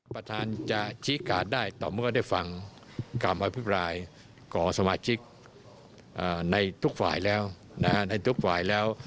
ประธานจะชี้การได้ต่อเมื่อได้ฟังกรรมอภิกรายของสมาชิกในทุกฝ่ายแล้ว